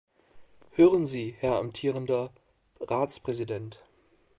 Hören Sie, Herr amtierender Ratspräsident!